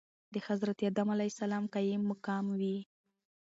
دحضرت ادم عليه السلام قايم مقام وي .